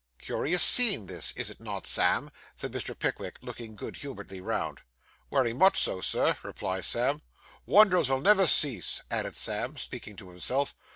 'Curious scene this, is it not, Sam?' said Mr. Pickwick, looking good humouredly round. 'Wery much so, Sir,' replied Sam. 'Wonders 'ull never cease,' added Sam, speaking to himself.